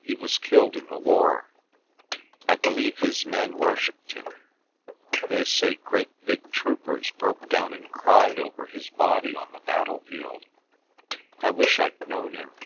He was killed in the war. I believe his men worshipped him. They say great big troopers broke down and cried over his body on the battlefield. I wish I'd known him.